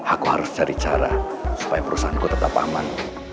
aku harus cari cara supaya perusahaanku tetap aman